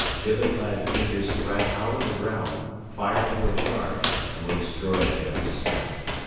Jibba clad figures sprang out of the ground, fired or charged, and were destroyed at every step.